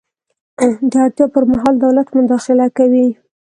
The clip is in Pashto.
د اړتیا پر مهال دولت مداخله کوي.